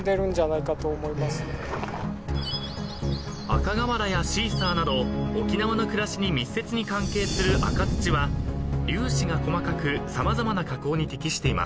［赤瓦やシーサーなど沖縄の暮らしに密接に関係する赤土は粒子が細かく様々な加工に適しています］